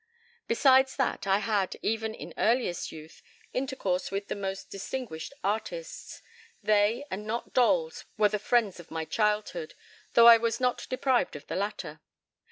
Besides that, I had, even in earliest youth, intercourse with the most distinguished artists. They, and not dolls, were the friends of my childhood, though I was not deprived of the latter.